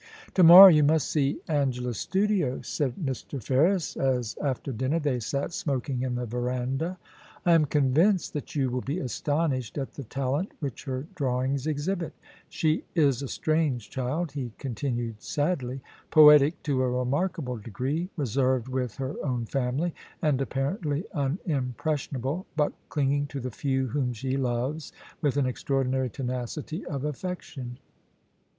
* To morrow you must see Angela's studio,' said Mr, 1 18 POLICY AND PASSION. Ferris, as after dinner they sat smoking in the verandah. * I am convinced that you will be astonished at the talent which her drawings exhibit She is a strange child/ he con tinued sadly ;* poetic to a remarkable degree, reserved with her own family, and apparently unimpressionable, but cling ing to the few whom she loves with an extraordinary tenacity of aflfection.